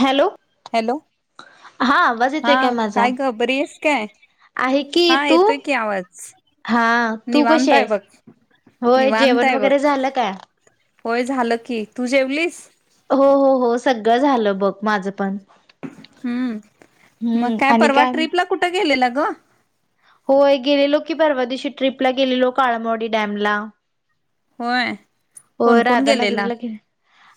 Hello hello हा आवाज येतोय हा माझा काय ग बरी येेस काय? आहे की हा तू येतोय की आवाज हा तू कशी निवांत हाय आहेस बघ. होय निवांत जेवण हाय बघ वगैरे झालं काय होय झालं की तू जेवलीस? हो हो हो सगळं झालं बघ माझं पण. हम्म मग हम्म काय आणि परवा ट्रीप ला कुठं गेलेला ग? होय गेलेलो की परवादिवशी ट्रीप ला गेलेलो काळाबावाडी डॅम ला. होय हो कोण कोण गेलेला राधानगरीला घे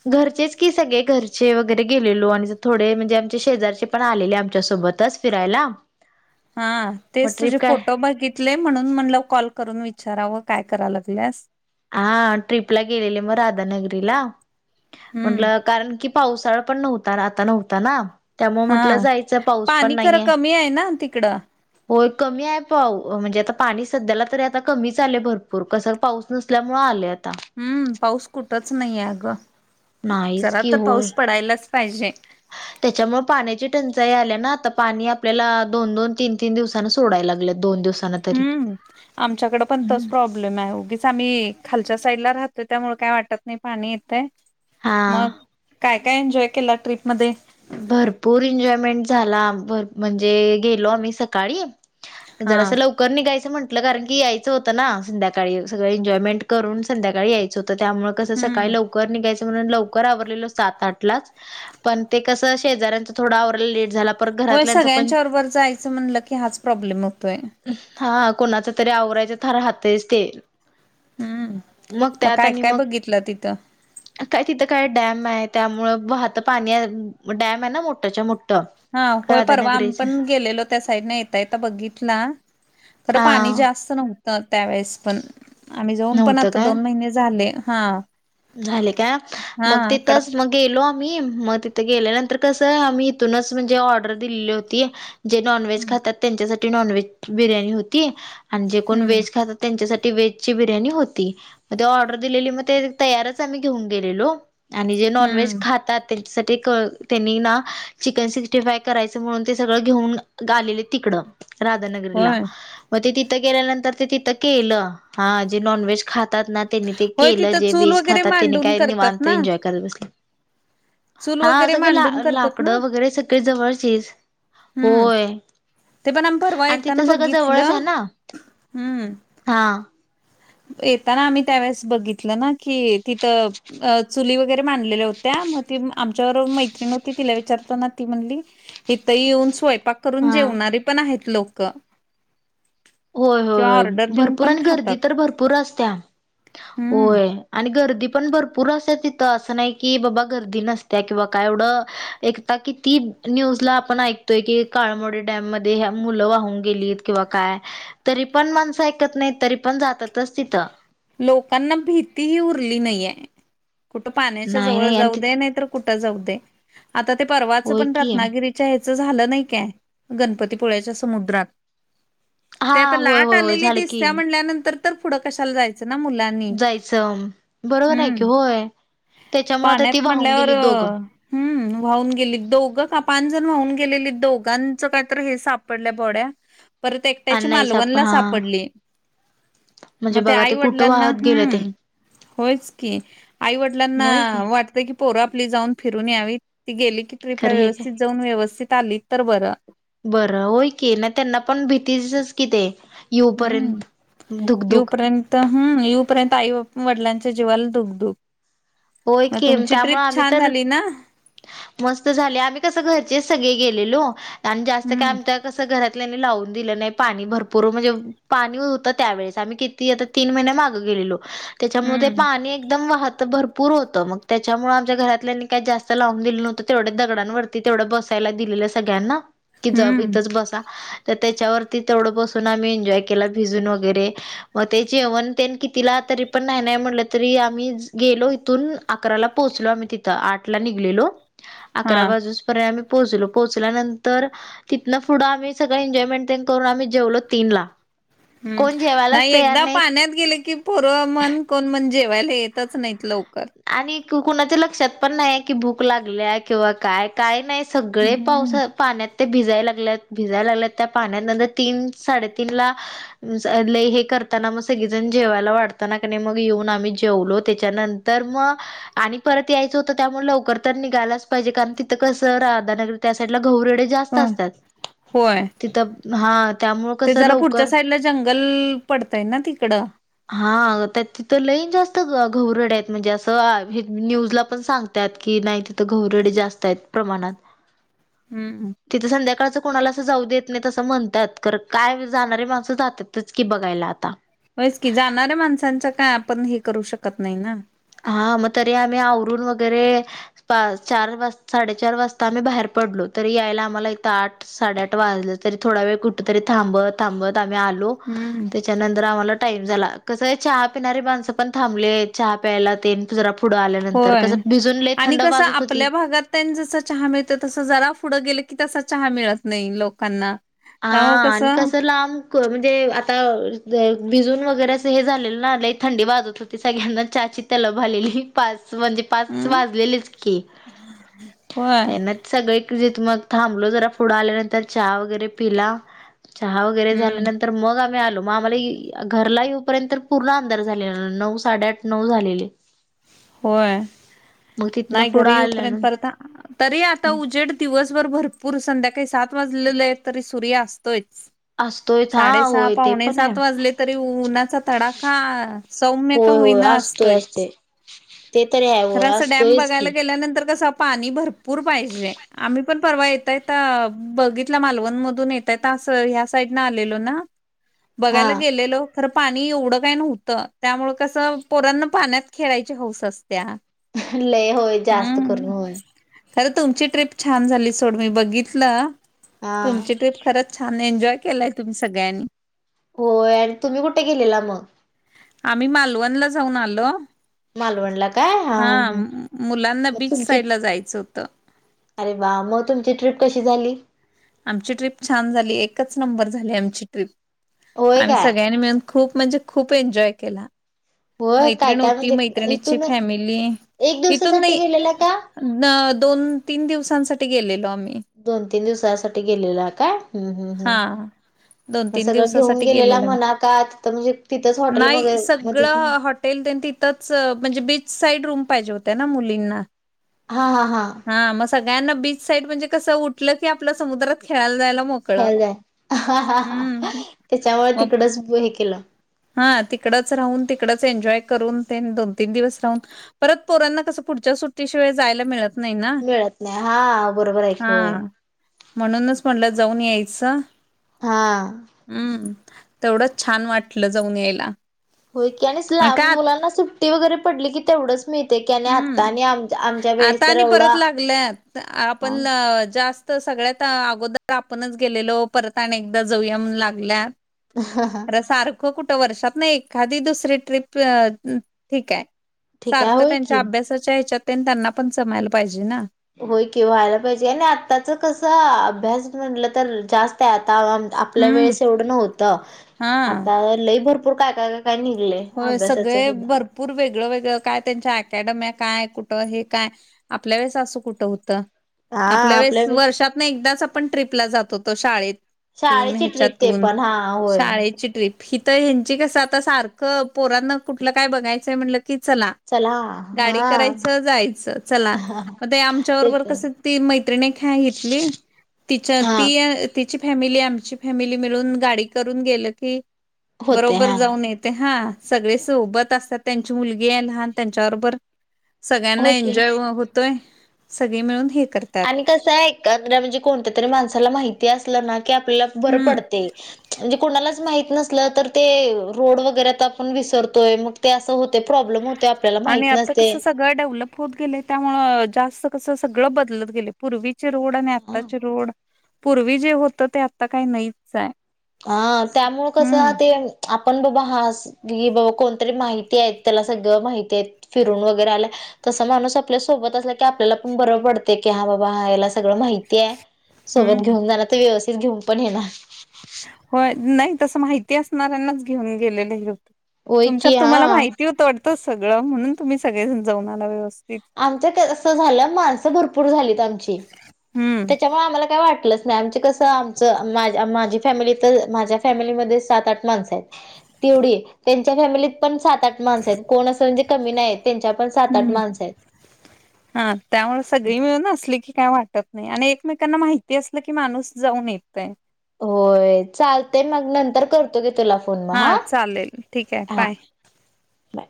घरचेच की सगळे घरचे वगैरे गेलेलो आणि थोडे म्हणजे आमच्या शेजारचे पण आलेले आमच्यासोबतच फिरायला. हा मग तेच ट्रिप तुझे काय फोटो बघित म्हणून म कॉल करून विचाराव काय करा लागल्यास. हा ट्रीपला गेलेले मग राधानगरीला. हम्म म्हंटलं कारण कि पावसाळा पण नव्हता आता नव्हता ना त्यामुळ हा म्हटलं जायचं पाऊस पण पाणी खरं नाहीये. कमी आहे ना तिकडं होय कमी आहे पाऊस, म्हणजे आता पाणी सध्याला तरी आता कमी चालेय भरपूर कस पाऊस नसत त्यामुळं आले आता. हम्म पाऊस कुठंच नाहीे अगं नाहीच जरा की तर होय पाऊस पडायलाच पाहिजे त्याच्यामुळे पाण्याची टंचाई आल्या ना, आता पाणी आपल्याला दोन दोन तीन तीन दिव सोडाय लागलय दोन दोन दिवस हम्म आमच्याकडे पण तोच प्रॉब्लेम प्रब्लेम आहे उगीच आम्ही खालच्या साईड ला राहतोय त्यामुळे काय वाटत नाही पाणी येतंय. हा मग काय काय एन्जॉय केला ट्रिपमध्ये. भरपूर एन्जॉयमेंट झाला, म्हणजे गेलो आम्ही सकाळी. [unintelligible] हा. निघायं म्हंटलं कारण की यायचं होतं ना संध्याकाळी सगळं, एन्जॉयमेंट करून संध्याकाळी यायचं होतं. त्यामुळे कसं सकाळी हम्म लवकर निघायचं म्हणून लवकर आवरलेलो सात आठलाच पण ते कसं शेजाऱ्याच थोडा आवरला लेट झाला. परत होय घरातल्यांचा पण सगळ्यांच्या बरोबर जायचं म्हणलं की हाच प्रॉब्लेम होतोय. हा कोणाच तरी आवरायच तर राहतेय ते. हम्म. मग त्यात काय आणि काय मग बघितलं तिथं काय तिथं काय डॅम आहे त्यामुळं वाहतं पाणी डॅम आहे ना मोठ्याच्या मोठ. हा होय परवा आम्ही पण गेलेलो त्या साईडने यता येत बघितला. तर हा पाणी जास्त नव्हत. तर त्यावेेळेस पण आम्ही जाऊन पण नव्हतं आता काय दोन महिने झाले हा. झाले का हा मग तिथंच कडक मग गेलो आम्ही मग तिथे गेल्या नंतर कसं, आम्ही इथूनच म्हणजे ऑर्डर दिलेली होती. जे नॉनव्हेज हम्म खातात त्यांच्यासाठी नॉनव्हेज बिर्याणी होती. आणि जे कोण हम्म व्हेज खातात त्यांच्यासाठी व्हेजची बिर्याणी होती, मग ते ऑर्डर दिलेली मग ते तयारच आम्ही घेऊन गेलेलो आणि जे नॉनव्हेज हम्म खाता ते साठी क त्यांनी ना चिकन सिक्स्टी फाय करायचं म्हणून ते सगळं घेऊन गालेले तिकडं. राधानगरला. होय म- ते तिथं गेल्यानंतर ते तिथं केलं हा जे नॉनव्हेज खातात ना त्यांनी ते होय केलं, तिथं जे चूल बीज वगैरे खातात त्यांनी मांडून काय करतात निवनत ना एन्जॉय करत बसले. चूल हा वगैरे सगळे ला मांडून करतात ना -लाकडं वगैरे सगळे जवळचेच. हम्म होय ते पण आम्ही परवा आणि तिथ येताना सगंळं जवळच आय बघितलं ना. हम्म हा. येताना आम्ही त्यावेेळेस बघितलं ना की तिथं अ- चुली वगैरे मांडलेल्या होत्या मग ती आमच्याबर मैत्रिण होती तिला विचारताना ती म्हणली हिथ येऊन स्वयंपाक करून हा जेवणारी पण आहेत लोक. होय किंवा होय ऑर्डर देऊन भरपूर पण आणि गर्दी खातात तर भरपूर असत्या हम्म होय. आणि गर्दी पण भरपूर असतिया तिथं असं नाय की बाबा गर्दी नसत्या किंवा काय एवढं एक आता किती न्यूज ला आपण ऐकतोय की काळमवाडी डॅम मध्ये मुलं वाहून गेलीत किंवा काय तरी पण माणसं ऐकत नायत तरी पण जातातच तिथं. लोकांना भीती ही उरली नाहीये. कुठं पाण्याच्या नाही जवळ नाही आणि ति जाऊदे नाय तर कुठं जाऊदे, आता ते परवाचं होय पण की रत्नागिरी च्या ह्याचं झालं नाय काय गणपतीपुळ्याच्या समुद्रात. ते हा आता होय लाट होय होय आलेली झालं की दिसत्या म्हल्यानंतर तर पुढं कशाला जाय च -ना मुलांनी जायचं बरोबर आहे की हम्म. होय त्याच्यामुळे तर पाण्यात ती वाहून म्हणल्यावर गेली दोघं हम्म. वाहून गेलीत दोघं का पान जण वाहून गेलेली दोघांच काय तर हे सापडल्या बॉड्या. परत एकट्याची आणि नाहीच आपण मालवणला हा सापडली म म्हणजे ते बघा आई व- कुठं डलांना वाहत गेलं ते होयच की आई वडलांना होय की वाटतय की पोर आपली जाऊन फिरून यावी, ती गेली की ट्रिपला खरं हे काय व्यवस्थित जाऊन व्यवस्थित आलीत तर बरं. बरं होय की नाय त्यांना पण भीतीचच कि ते. हम्म, येऊपर्यंत यू धुकधुक पर्यंत [unintelligible] येऊपर्यंत आई बा वडलांच्या जीवाला दुघ दुघ. होय म की तुमची त्यामुळे ट्रिप आम्ही छान तर झाली ना? मस्त झाले आम्ही कसं घरचेच सगळे गेलेलो आणि जास्त काय हम्म आमच्या कसं घरातल्या लावून दिलं नाय पाणी भरपूर म्हणजे पाणी हुत त्यावेेळेस आम्ही किती आता तीन महिन्या मागं गेलेलो. त्याच्यामुळ ते हम्म पाणी एकदम वाहत भरपूर होतं मग त्याच्यामुळ आमच्या घरातल्या काय जास्त लावून दिलं नव्हतं तेवढ्या दगडांवरती तेवढं बसायला दिलेलं सगळ्यांना. कि जा हम्म इथच बसा तर त्याच्यावरती तेवढं बसून आम्ही एन्जॉय केला भिजून वगैरे. म ते जेवण तेन कितीला तरी पण न्हाय न्हाय म्हणलं तरी आम्ही गेलो इथून अकराला पोहोचलो आम्ही तिथं, आठ ला निघलेलो हा अकरा बाजूपर्यंत आम्ही पोहोचलो. पोहोचल्यानंतर- तिथं पुढं आम्ही सगळं एजॉय मेंटेन तेन करून आम्ही जेवलो तीन ला. हम्म, कोण जेवायलाच नाय तयार एकदा नाहीत. पाण्यात गेल की पोर म्हण कोण मन जेवायला येतच नायत लवकर. आणि कुणाच्या लक्षात पण न्हाय की भूक लागल्या किंवा काय नाय सगळे पावस हम्म पाण्यात ते भिजायला लागल्यात भिजाय लागल्यात त्या पाण्यात. नंतर तीन साडेतीनला ज लय हे करताना मग सगळेजण जेवायला वाटतना क मग येऊन आम्ही जेवलो त्याच्यानंतर. तर मग. आणि परत यायचं होतं त्यामुळे लवकर तर निघायलाच पाहिजे कारण तिथं कसं राधानगर त्या साईडला घौरेडे. जास्त असतात होय तिथं हा. त्यामुळं ते कसं जरा पुढच्या लवकर साईडला जंगल पडतय ना तिकडं. हा तिथं लईन जास्त घरड आहेत. म्हणजे असं न्यूज ला पण सांगतात की, नाही तिथं घरडे जास्त आहेत प्रमाणात. हम्म. तिथं संध्याकाळचं कोणाला असं जाऊ देत नाही तसं म्हणतात तर काय जाणारी माणसं जातातच की, बघायला आता. होच की, जाणाऱ्या माणसांच काय आपण हे करू शकत नाही ना. हा, मग तरी आम्ही आवरून वगैरे. पा चार वाज साडेचार वाजता आम्ही बाहेर पडलो तरी यायला आम्हाला इथं आठ. साडेआठ वाजलं तरी थोडा वेळ कुठ तरी थांबत थांबत आम्ही आलो. हम्म त्याच्यानंतर आम्हाला टाईम झाला चहा पिणारी माणस पण थब चहा. प्यायला ते जरा पुढं आल्यानंतर होय कसं भिजूनले थंड वाजत होती. तेन जस चहा मिळत तस जरा पुढं गेलं की, तसा चहा मिळत नाही लोकांना. हा, त्यामुळे आणि कसं कस लांब. म्हणजे आता भिजून वगैरे असं हे झालेलं नाही थंडी वाजत होती सगळ्यांना चहाची. त्यालाभा आलेली पाच म्हणजे पाच हम्म वाजलेलेच की, होय ते ना. सगळे जथ मग थांबलो जरा पुढं आल्यानंतर हा वगैरे पिला. चहा वगैरे हम्म झाल्यानं''--'' तर मग आम्ही आलो मग आम्हाला घरला येऊपर्यंत पूर्ण अंदार झालेला नऊ साडे आठ नऊ झालेले. होय मग तिथनं नाही पुढं घरी आल्यान उपर्यंत परत आ ''--'' तरी आता उजेड दिवसभर भरपूर संध्याकाळी सात वाजलेले तरी सूर्य असतोच. असतोयच हा साडेसहा होय ते पावणे पण आहे. सात वाजले तरी उ उन्हाचा तडाखा. सौम्य का होय होय होईना असतोय असतोयच. असतय. खरं असं डॅम बघायला गेल्यानंतर कसं पाणी भरपूर पाहिजे. आम्ही पण परवा येतय बघितला मालवण मधून येतय ह्या साईड न आलेलो ना. हा बघायला गेलेलो. खर पाणी एवढं काय नव्हतं त्यामुळ कसं पोरांना पाण्यात खेळायची हौस असत्या. लय होय जास्त करून. खरे तुमची ट्रीप छान झाली सोड मी बघितलं हा. तुमची ट्रीप खरंच. छान एन्जॉय केलाय तुम्ही सगळ्यांनी. होय आणि तुम्ही कुठे गेलेला मग. आम्ही मालवणला जाऊन आलो. मालवणला काय. हा, मु मुलांना मग बीच तुमची साईड ला जायचं होत. अरे वा मग तुमची ट्रीप कशी झाली. आमची ट्रीप छान झाली एकच नंबर झाली आमची ट्रीप होय आम्ही काय? सगळ्यांनी मिळून. खूप म्हणजे खूप एन्जॉय केला. होय काय मैत्रिण काय होती म्हणजे मैत्रिणीची इथून फॅमिली एक इथून दिवसासाठी नाही. गेलेला का? न दोन तीन दिवसांसाठी गेलेलो आम्ही. दोन तीन दिवसासाठी गेलेला का हम हम हा हम, दोन म तीन सगळं घेऊन दिवसासाठी गेलेला गेलेलो आम्ही. म्हणा का तिथ म्हणजे तिथंच हॉटेल नाही मगर मध्ये. सगळं हॉटेल तेन तिथंच म्हणजे बीच साईड रूम पाहिजे होत ना मुलींना. हा हा हा. हा मग सगळ्यांना बीच साईड म्हणजे कसं उठलं की आपल्या समुद्रात खेळायला जायला मोक खेयला जाय, त्याच्यामुळे मग तिकडच हे केलं. हा तिकडच राहून तिकडच एन्जॉय करून ते दोन तीन दिवस राहून परत पोरांना कसं पुढच्या सुट्टी शिवाय जायला मिळत नाही ना मिळत नाही, हा बरोबर आहे हा [unintelligible] म्हणूनच म्हटलं जाऊन यायचं. हा. हम्म, तेवढंच छान वाटलं जाऊन यायला. होय की, आणि लहान का मुलांना सुट्टी वगैरे पडली की तेवढंच मि ते कने आत्ता हम्म आणि आम आमच्या वेळेस आता तर आणि एवढा ह अ जास्त तर सगळ्यात अगोदर आपणच गेलेलो परत, आणि एकदा जाऊया म्हणू लागल्या. सारखं कुठ वर्षातून एखादी, दुसरी ट्रीप ठीक आहे. ठीक आहे होय की. च्या त्यांना पण जमायला पाहिजे ना. होय कि, व्हायला पाहिजे ना आत्ताच कसं अभ्यास म्हटलं तर जास्त आता आम्हा आपल्या हम्म वेळेस एवढं नव्हतं हा आता लय भरपूर काय का काय निघलेय, होय अभ्यासाच सगळे सुद्धा. भरपूर वेगळं-वेगळं, काय त्यांच्या अकॅडमी काय, कुठं हे काय. आपल्या वेळेस असं कुठं होतं? आपल्या वेळेस वर्षात ना एकदाच आपण ट्रीपला जात होतो शाळेत. तून शाळेची ट्रिप ते ह्याच्यातून पण हा होय शाळेची ट्रिप. हित ह्यांची कसं आता सारखं पोरांना कुठलं काय बघायचंय म्हणलं की चला. गाडी करायचं जायचं चला. मग आमच्या ते बरोबर तर कस ती मैत्रिणी एक आहे हितली तिच्या हा ती तिची फॅमिली, आमची फॅमिली मिळून गाडी करून गेलं की होते बरोबर हा जाऊन येत. ते हा, सगळे सोबत असतात त्यांची मुलगी आहे लहान त्यांच्याबरोबर. सगळ्यांना होय की एन्जॉय होतोय, सगळे मिळून हे करतात. कस हाय एखाद्या म्हणजे कोणत्या तरी माणसाला माहिती असलं ना की आपल्याला बरं हम्म पडतय. म्हणजे कोणालाच माहित नसलं तर ते, रोड वगैरेत आपण विसरतोय मग ते असं होते प्रॉब्लेम होत. आणि आता कस सगळं डेव्हलप होत गेले, त्यामूळ जास्त कस सगळं बदलत गेलय. पूर्वीचे रोड आणि आत्ताचे रोड, पूर्वी जे होत ते आता काही नाही. हा त्यामुळे कसं ते आपण बघा अस. ती बग कोणतरी माहिती आहेत, त्याला सगळं माहिती आहे फिरून वगैरे आल्या तसा माणूस आपल्या सोबत असला की आपल्याला पण बरं पडते की, हा बाबा हा याला सगळं माहिती आहे. सोबत हम्म घेऊन जाणार तर व्यवस्थित घेऊन पण येणार. व्यय, नाही तसं माहिती असणाऱ्यांनाच घेऊन गेलेलंही होत. होय तुमच्यात की तुम्हाला हा. माहिती होतं वाटतं सगळं म्हणून तुम्ही सगळे जाऊन आला व्यवस्थित. आमच ते अस झालं माणसं भरपूर झालीत आमची, हम्म त्याच्यामुळे आम्हाला काय वाटल आमचे कसं, आमचं माझ माझी फॅमिली तर माझ्या फॅमिलीमध्ये सात आठ माणसं आहेत. तेवढी त्यांच्या फॅमिलीत पण सात सात आठ माणस आहेत कोण असं म्हणजे कमी नाही त्यांच्या पण सात आठ हम्म माणस आहेत. हा त्यामुळे सगळी मिळून असली की काय वाटत नाही, आणि एकमेकांना माहिती असलं की माणूस जाऊन येतय. होय, चालतय मग नंतर करतो घे तुला फोन मग हा चालेल, ठीक आहे. हा बाय. बाय